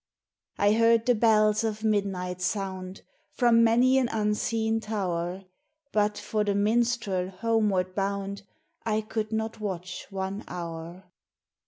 I heard the bells of midnight sound From many an unseen tower, But for the minstrel homeward bound I could not watch one hour.